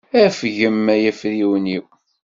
Afgem ay afriwen-iw.